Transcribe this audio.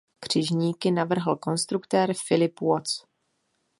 Křižníky navrhl konstruktér Philip Watts.